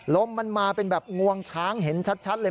ลมมันมาเป็นแบบงวงช้างเห็นชัดเลย